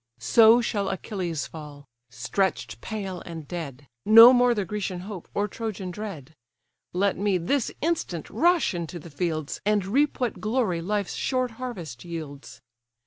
So shall Achilles fall! stretch'd pale and dead, No more the Grecian hope, or Trojan dread! Let me, this instant, rush into the fields, And reap what glory life's short harvest yields.